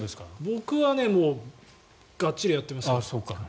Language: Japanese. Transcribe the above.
僕はがっちりやってますから。